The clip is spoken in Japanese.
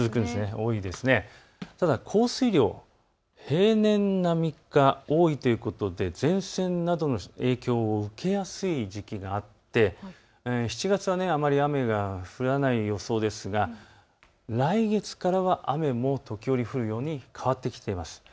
ただ降水量、平年並みか多いということで前線などの影響を受けやすい時期があって７月はあまり雨が降らない予想ですが来月からは雨も時折、降るように変わってきています。